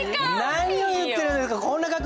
何を言ってるんですか！